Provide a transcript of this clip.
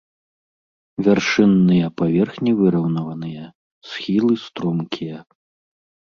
Вяршынныя паверхні выраўнаваныя, схілы стромкія.